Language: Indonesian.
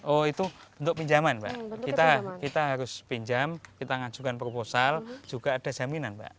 oh itu bentuk pinjaman pak kita harus pinjam kita ngajukan proposal juga ada jaminan pak